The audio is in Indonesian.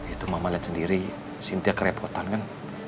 itu mama lihat sendiri sintia kerepotan kan